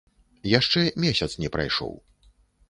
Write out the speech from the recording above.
Яшчэ месяц не прайшоў.